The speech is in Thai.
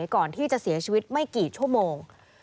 ก่อนที่จะเสียชีวิตไม่กี่ชั่วโมง